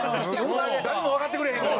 誰もわかってくれへんから。